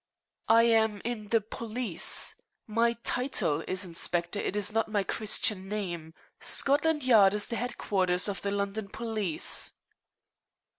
"I am in the police. My title is Inspector. It is not my Christian name. Scotland Yard is the headquarters of the London police."